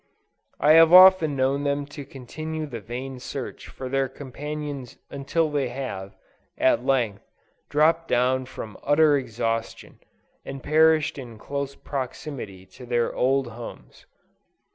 I have often known them to continue the vain search for their companions until they have, at length, dropped down from utter exhaustion, and perished in close proximity to their old homes!